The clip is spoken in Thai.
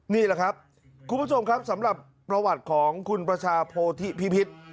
นี่แหละครับคุณผู้ชมครับสำหรับประวัติของคุณประชาโพธิพิพิษ